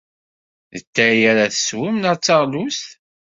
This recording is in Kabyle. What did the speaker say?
D atay ara teswem neɣ d taɣlust?